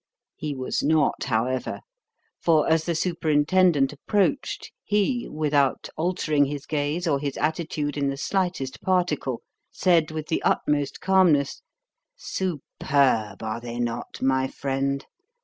He was not, however; for as the superintendent approached he, without altering his gaze or his attitude in the slightest particle, said with the utmost calmness: "Superb, are they not, my friend?